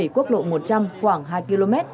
quốc lộ một trăm linh khoảng hai km